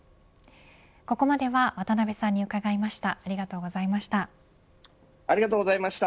ここまでは渡辺さんに伺いました。